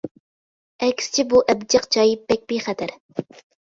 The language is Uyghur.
ئەكسىچە بۇ ئەبجەق جاي بەك بىخەتەر.